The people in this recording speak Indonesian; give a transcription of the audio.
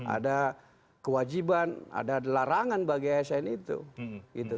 ada kewajiban ada larangan bagi asn itu